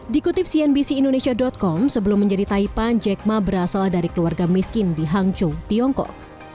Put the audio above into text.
dikutip cnbc indonesia com sebelum menjadi taipan jack ma berasal dari keluarga miskin di hangzhou tiongkok